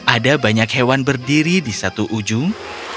ada banyak hewan berdiri di satu ujung